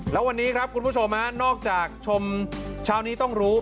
แล้ววันนี้ครับคุณผู้ชมนอกจากชมเช้านี้ต้องรู้